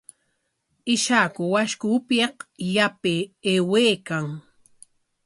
Ishaku washku upyaq yapay aywaykan.